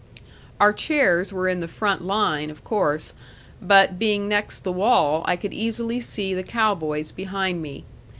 Our chairs were in the front line, of course; but, being next the wall, I could easily see the cow boys behind me.